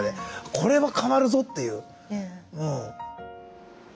これは変わるぞっていう。